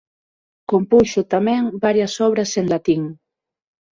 Compuxo tamén varias obras en latín.